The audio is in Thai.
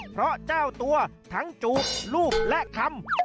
เพราะเจ้าตัวทั้งจูบรูปและทำ